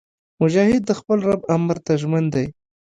مجاهد د خپل رب امر ته ژمن دی.